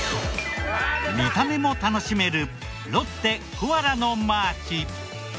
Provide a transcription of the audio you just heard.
見た目も楽しめるロッテコアラのマーチ。